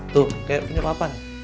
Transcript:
tuh kayak penyepapan